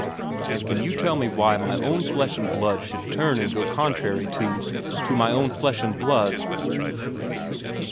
And can you tell me why my own flesh and blood should turn and go contrary to to my own flesh and blood?"